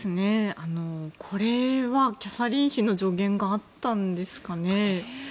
これは、キャサリン妃の助言があったんですかね。